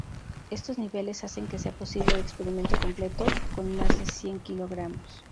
Estos niveles hacen que sea posible el experimento completo con más de cien kg.